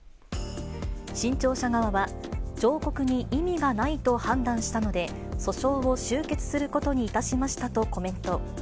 新潮社側は、上告に意味がないと判断したので、訴訟を終結することにいたしましたとコメント。